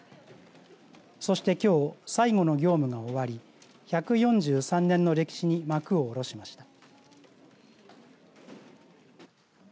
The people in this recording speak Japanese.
そして、きょう最後の業務が終わり１４３年の歴史に幕を下ろしました。